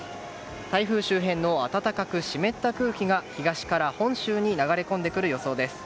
台風周辺の暖かく湿った空気が東から本州に流れ込んでくる予想です。